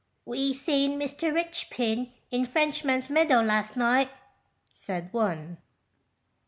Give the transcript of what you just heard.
"We seen Mr. Richpin in Frenchman's Meadow last night," said one.